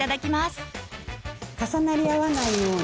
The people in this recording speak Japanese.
重なり合わないように。